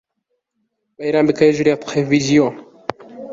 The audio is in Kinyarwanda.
bayirambika hejuru ya television